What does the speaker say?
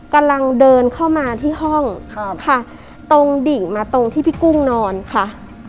กำลังเดินเข้ามาที่ห้องครับค่ะตรงดิ่งมาตรงที่พี่กุ้งนอนค่ะ